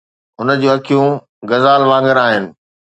هن جون اکيون غزال وانگر آهن